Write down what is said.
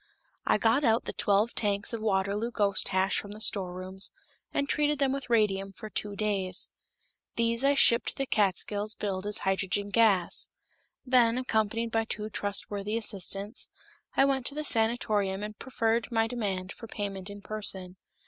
I got out the twelve tanks of Waterloo ghost hash from the storerooms, and treated them with radium for two days. These I shipped to the Catskills billed as hydrogen gas. Then, accompanied by two trustworthy assistants, I went to the sanatorium and preferred my demand for payment in person.